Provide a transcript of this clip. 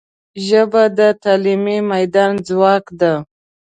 ژبه د تعلیمي میدان ځواک ده